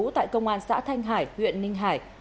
tại công an xã thanh hải huyện ninh hải